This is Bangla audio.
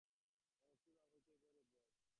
এই মুক্তির ভাব হইতেই উভয়ের উদ্ভব।